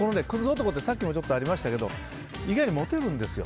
男ってさっきもありましたけどモテるんですよ。